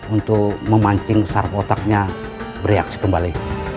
untuk memancing sar otaknya bereaksi kembali